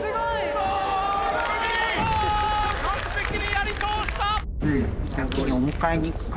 完璧にやりとおした！